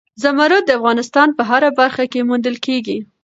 زمرد د افغانستان په هره برخه کې موندل کېږي.